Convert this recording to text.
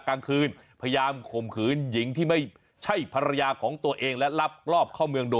เบื้องต้นนะฮะตำรวจก็แจ้ง